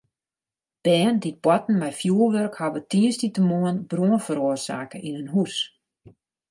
Bern dy't boarten mei fjoerwurk hawwe tiisdeitemoarn brân feroarsake yn in hús.